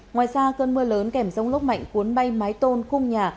ngoài ra cơn mưa lớn kèm rông lốc mạnh cuốn bay mái tôn khung nhà